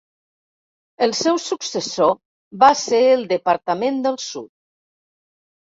El seu successor va ser el Departament del Sud.